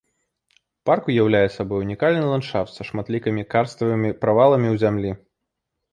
Парк уяўляе сабой унікальны ландшафт са шматлікімі карставымі праваламі ў зямлі.